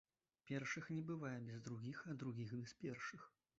Першых не бывае без другіх, а другіх без першых.